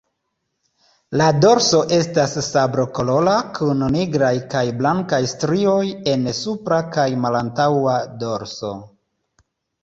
La dorso estas sablokolora kun nigraj kaj blankaj strioj en supra kaj malantaŭa dorso.